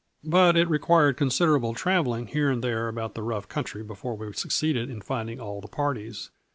But it required considerable traveling here and there about that rough country before we succeeded in finding all the parties.